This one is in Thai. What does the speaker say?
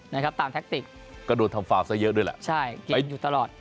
นะครับตามแท็กติกก็โดนทำฟาวซะเยอะด้วยแหละใช่เป็นอยู่ตลอด